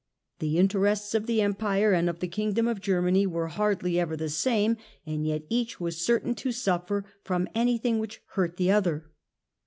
The interests of the Em pire and of the Kingdom of Germany were hardly ever the same, and yet each was certain to suffer from any thing which hurt the other.